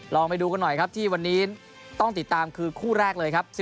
ไปดูกันหน่อยครับที่วันนี้ต้องติดตามคือคู่แรกเลยครับ